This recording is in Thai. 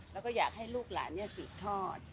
แล้วก็อยากให้ลูกหลานสืบทอด